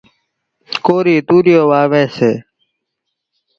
ڪورِي توريئو واويَ سي۔